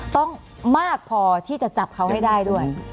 ต้องมากพอที่จะจับเขาให้ได้ด้วย